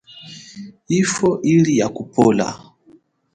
Yifwo ili ya kupola.